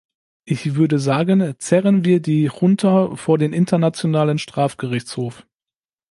Ich würde sagen, zerren wir die Junta vor den Internationalen Strafgerichtshof.